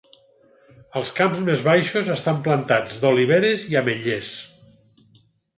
Els camps més baixos estan plantats d'oliveres i ametllers.